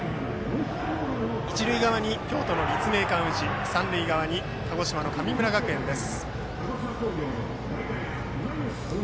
一塁側に京都の立命館宇治三塁側に鹿児島の神村学園です。